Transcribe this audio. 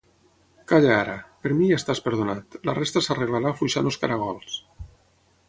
Calla ara! Per mi ja estàs perdonat; la resta s'arreglarà afluixant els caragols.